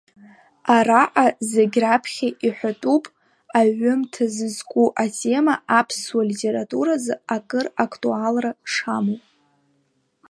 Араҟа зегь раԥхьа иҳәатәуп аҩымҭа зызку атема аԥсуа литературазы акыр актуалра шамоу.